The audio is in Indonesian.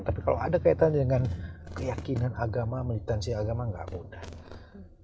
tapi kalau ada kaitan dengan keyakinan agama melitansi agama gak mudah